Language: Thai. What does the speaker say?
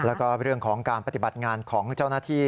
แล้วก็เรื่องของการปฏิบัติงานของเจ้าหน้าที่